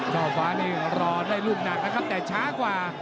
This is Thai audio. ชอช์ฟ้าน่าจะได้รูปหนักนะครับแค่ช้ากว่า